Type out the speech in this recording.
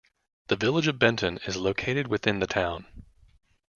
The Village of Benton is located within the town.